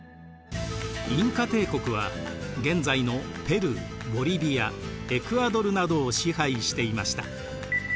インカ帝国は現在のペルーボリビアエクアドルなどを支配していました。